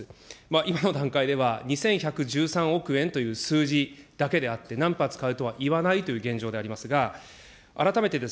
今の段階では、２１１３億円という数字だけであって、何発買うとは言わないという現状でありますが、改めてです。